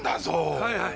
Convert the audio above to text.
はいはい。